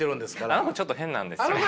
あの子ちょっと変なんですよ。